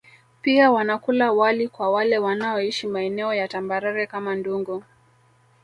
Pia wanakula wali kwa wale wanaoishi maeneo ya tambarare kama Ndungu